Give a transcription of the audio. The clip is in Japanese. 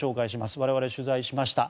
我々、取材しました。